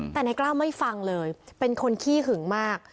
แต่นายกล้าวไม่ฟังเลยเป็นคนขี้หึงมาก